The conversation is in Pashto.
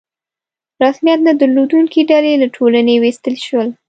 رسمیت نه درلودونکي ډلې له ټولنې ویستل شول.